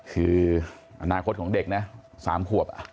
คืออนาคตของเด็กนะสามขวบอ่ะ